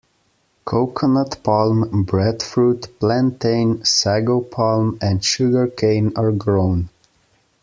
Coconut palm, breadfruit, plantain, sago palm, and sugar cane are grown.